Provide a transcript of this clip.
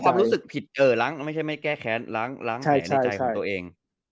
ล้างความรู้สึกผิดไม่ใช่ไม่แก้แค้นล้างแผนในใจของตัวเอง